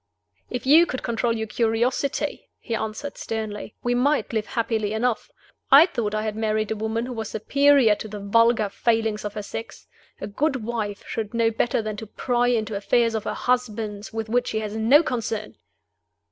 "If you could control your curiosity." he answered, sternly, "we might live happily enough. I thought I had married a woman who was superior to the vulgar failings of her sex. A good wife should know better than to pry into affairs of her husband's with which she had no concern."